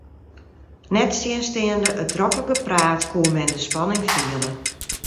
Nettsjinsteande it drokke gepraat koe men de spanning fiele.